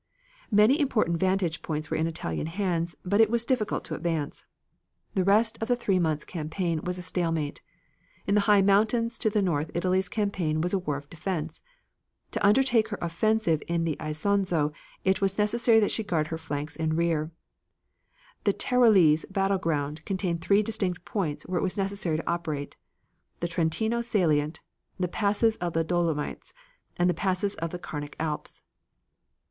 Many important vantage points were in Italian hands, but it was difficult to advance. The result of the three months' campaign was a stalemate. In the high mountains to the north Italy's campaign was a war of defense. To undertake her offensive on the Isonzo it was necessary that she guard her flanks and rear. The Tyrolese battle ground contained three distinct points where it was necessary to operate; the Trentino Salient, the passes of the Dolomites, and the passes of the Carnic Alps.